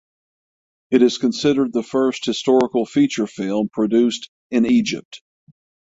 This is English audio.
It is considered the first historical feature film produced in Egypt.